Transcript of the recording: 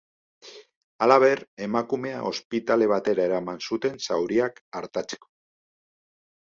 Halaber, emakumea ospitale batera eraman zuten zauriak artatzeko.